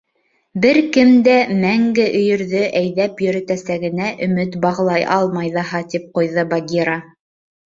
Бер кем дә мәңге өйөрҙө әйҙәп йөрөтәсәгенә өмөт бағлай алмай ҙаһа, — тип ҡуйҙы Багира.